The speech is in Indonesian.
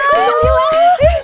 motornya bagus cuk